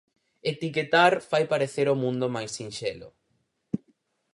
Etiquetar fai parecer o mundo máis sinxelo.